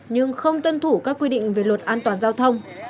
nhưng không tuân thủ các quy định về luật an toàn giao thông